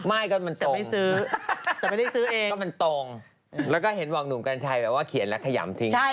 ไม่ก็มันตรงแต่ไม่ได้ซื้อเองแล้วก็เห็นวางหนุ่มกันไทยแบบว่าเขียนแล้วขยำทิ้ง